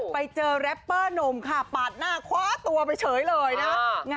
ไปเจอแรปเปอร์หนุ่มค่ะปาดหน้าคว้าตัวไปเฉยเลยนะ